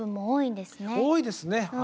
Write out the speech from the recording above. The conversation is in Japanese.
多いですね。